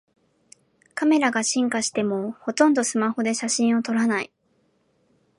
カメラが進化してもほとんどスマホで写真を撮らない